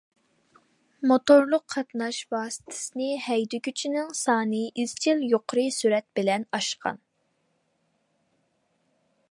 موتورلۇق قاتناش ۋاسىتىسىنى ھەيدىگۈچىنىڭ سانى ئىزچىل يۇقىرى سۈرئەت بىلەن ئاشقان.